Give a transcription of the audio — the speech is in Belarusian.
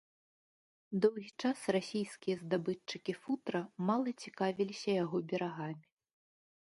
Доўгі час расійскія здабытчыкі футра мала цікавіліся яго берагамі.